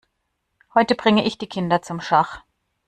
Heute bringe ich die Kinder zum Schach.